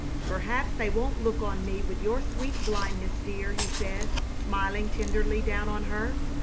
"Perhaps they won't look on me with your sweet blindness, dear," he said, smiling tenderly down on her.